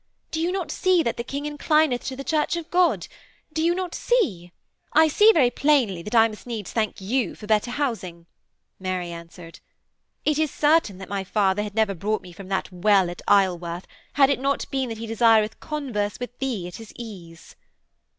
Do you not see that the King inclineth to the Church of God? Do you not see....' 'I see very plainly that I needs must thank you for better housing,' Mary answered. 'It is certain that my father had never brought me from that well at Isleworth, had it not been that he desireth converse with thee at his ease.'